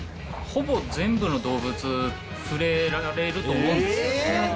ほぼ全部の動物触れられると思うんですよね。